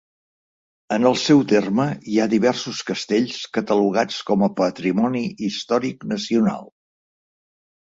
En el seu terme hi ha diversos castells catalogats com a patrimoni històric nacional.